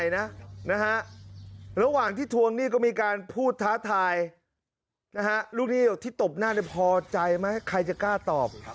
นะฮะลูกหนี้ที่ตบหน้าได้พอใจไหมใครจะกล้าตอบ